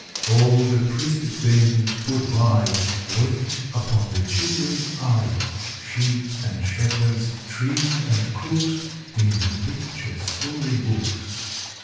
All the pretty things put by, Wait upon the children's eye, Sheep and shepherds, trees and crooks, In the picture story books.